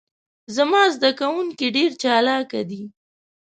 زما ذده کوونکي ډیر چالاکه دي.